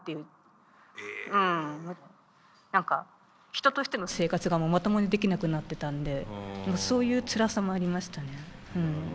何か人としての生活がまともにできなくなってたんでそういうつらさもありましたね。